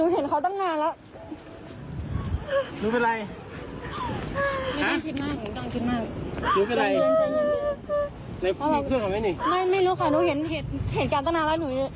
สวัสดีครับ